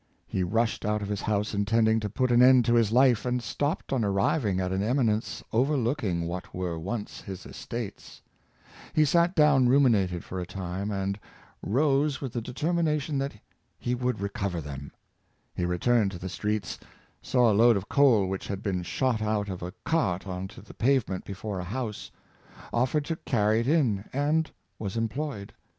He rushed out of his house intending to put an end to his life, and stopped on arriving at an eminence overlooking what were once his estates. He sat down ruminated for a time, and Mere Money snaking » 395 rose with the determination that he would recover them. He returned to the streets, saw a load of coal which had been shot out of a cart on to the pavement before a house, offered to carry it in, and was employed.